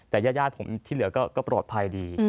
แต่ญาติผมที่เหลือก็ปลอดภัยดี